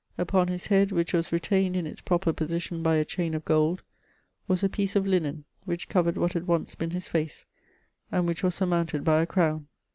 Upon his head, which was retained in its proper position by a chain of gold, was a piece of linen which covered what had once been his face, and which was surmounted by a crown.